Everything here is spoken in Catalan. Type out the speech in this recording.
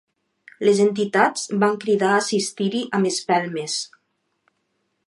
Les entitats van cridar a assistir-hi amb espelmes.